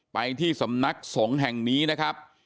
ไปที่สำนักสงฆ์แห่งนี้นะครับ